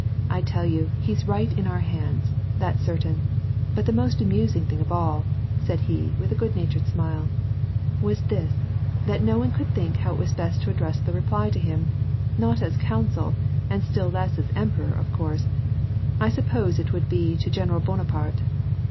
I tell you, he's right in our hands ; that's certain ! But the most amusing thing of all," said he, with a good natured smile, "was this, that no one could think how it was best to address the i eply to him I Not as ^consul,' and still less as emperor of course; I sup posed it would be to General Bonaparte."